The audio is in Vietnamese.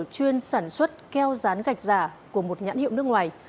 chuyên sản xuất keo rán gạch giả của một nhãn hiệu nước ngoài